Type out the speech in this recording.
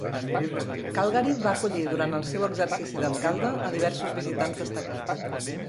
Calgary va acollir durant el seu exercici d'alcalde a diversos visitants destacats.